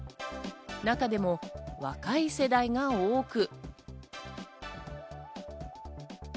中でも若い世代が多く。